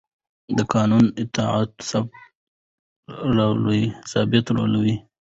د قانون اطاعت ثبات راولي